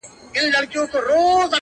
چي يو ځل يوه ماشوم ږغ كړه په زوره،